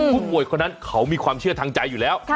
ผู้ป่วยคนนั้นเขามีความเชื่อทางใจอยู่แล้ว